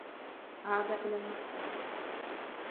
عاد إلى المحكمة.